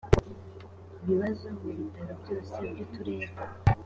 bibazo mu bitaro byose byu uturere